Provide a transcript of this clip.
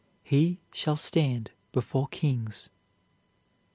he shall stand before kings."